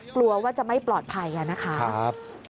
กลัวว่าจะไม่ปลอดภัยนะคะ